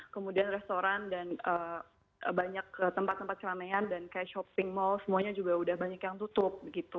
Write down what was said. kemudian restoran dan banyak tempat tempat keramaian dan kayak shopping mall semuanya juga udah banyak yang tutup gitu